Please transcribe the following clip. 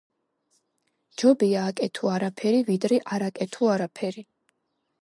„ჯობია, აკეთო არაფერი, ვიდრე არ აკეთო არაფერი.”